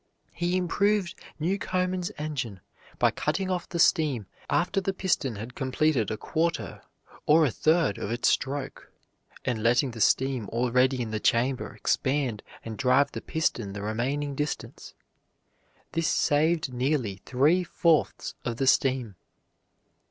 He improved Newcomen's engine by cutting off the steam after the piston had completed a quarter or a third of its stroke, and letting the steam already in the chamber expand and drive the piston the remaining distance. This saved nearly three fourths of the steam.